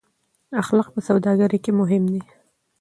اخلاق په سوداګرۍ کې مهم دي.